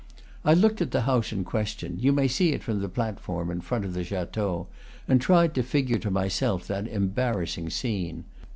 I looked at the house in question you may see it from the platform in front of the chateau and tried to figure to myself that embarrassing scene.